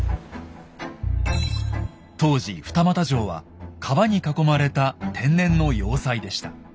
当時二俣城は川に囲まれた天然の要塞でした。